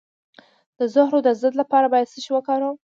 د زهرو د ضد لپاره باید څه شی وکاروم؟